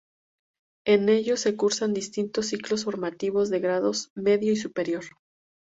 En ellos se cursan distintos ciclos formativos de grados medio y superior.